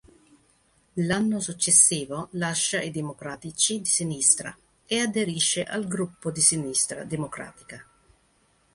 L'anno successivo lascia i Democratici di Sinistra e aderisce al gruppo di Sinistra Democratica.